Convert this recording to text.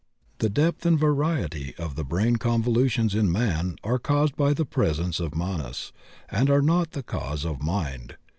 The depth and variety of the brain convolutions in man are caused by the presence of Manas, and are not the cause of mind.